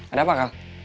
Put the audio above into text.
ada apa kal